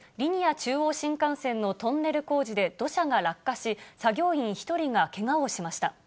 中央新幹線のトンネル工事で土砂が落下し、作業員１人がけがをしました。